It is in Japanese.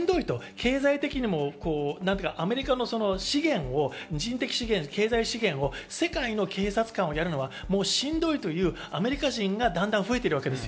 経済的にもアメリカの資源を、人的資源、経済資源を世界の警察官をやるのはもうしんどいというアメリカ人がだんだん増えているわけです。